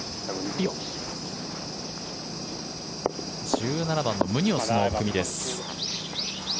１７番のムニョスの組です。